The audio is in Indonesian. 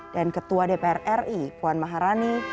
dan ketua dpr ri puan maharani